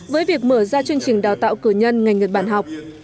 với việc mở ra chương trình đào tạo cử nhân ngành nhật bản học